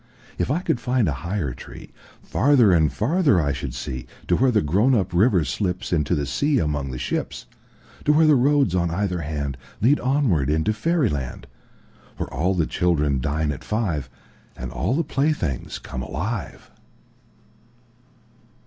If I could find a higher treeFarther and farther I should see, To where the grown up river slipsInto the sea among the ships. To where the roads on either handLead onward into fairy land, Where all the children dine at five, And all the playthings come alive.